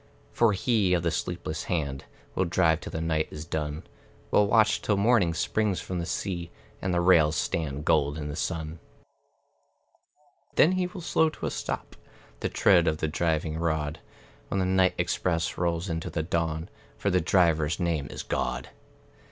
For He of the sleepless hand Will drive till the night is done Will watch till morning springs from the sea, And the rails stand gold in the sun; Then he will slow to a stop The tread of the driving rod, When the night express rolls into the dawn; For the Driver's name is God.